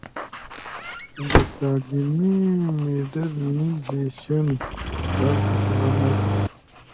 د تعلیمي مډرنیزېشن په عکس العمل کې.